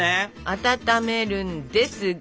温めるんですが。